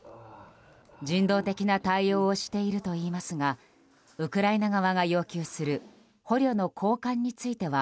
人道的な対応をしているといいますがウクライナ側が要求する捕虜の交換については